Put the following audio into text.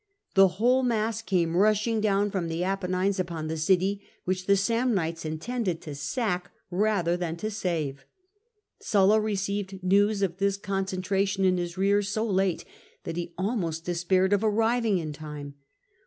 The whole mass came rushing down from the Apennines upon the city, which the Samnites intended to sack rather than to save. Sulla received news of this concentration in his rear so late that he almost despaired of arriving in time.